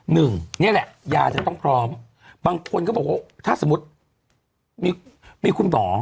หนึ่งนี่แหละยาจะต้องพร้อมบางคนก็บอกว่าถ้าสมมุติมีมีคุณหมอ